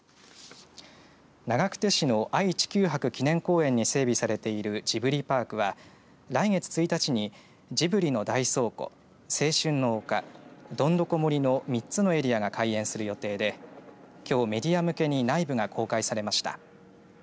長久手市の愛・地球博記念公園に整備されているジブリパークは、来月１日にジブリの大倉庫青春の丘どんどこ森の３つのエリアが開園する予定できょう、メディア向けに内部が公開されました。